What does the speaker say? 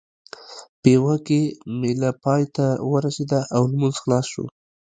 پېوه کې مېله پای ته ورسېده او لمونځ خلاص شو.